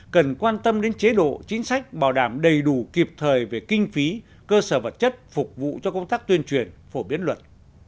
cần quan tâm đến chế độ chính sách bảo đảm đầy đủ kịp thời về kinh phí cơ sở vật chất phục vụ cho công tác tuyên truyền phổ biến luật